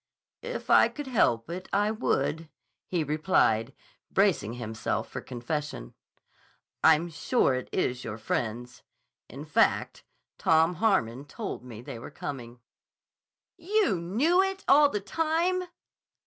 "If I could help it, I would," he replied, bracing himself for confession. "I'm sure it is your friends. In fact, Tom Harmon told me they were coming." "You knew it all the time?"